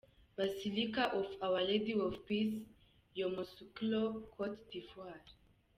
Basilica of Our Lady of Peace, Yamoussoukro, Cote d’Ivoire.